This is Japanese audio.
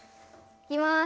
いきます。